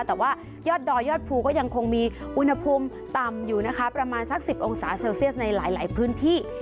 แต่ว่ายอดดอยยอดภูก็ยังคงมีอุณหภูมิต่ำอยู่นะคะประมาณสัก๑๐องศาเซลเซียสในหลายพื้นที่